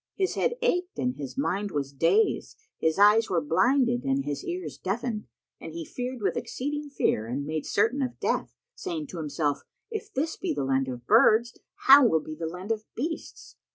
His head ached and his mind was dazed, his eyes were blinded and his ears deafened, and he feared with exceeding fear and made certain of death, saying to himself, "If this be the Land of Birds, how will be the Land of Beasts?"